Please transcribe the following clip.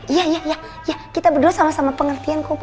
iya iya iya iya kita berdua sama sama pengertian kok bu